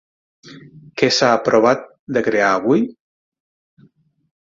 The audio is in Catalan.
Què s'ha aprovat de crear avui?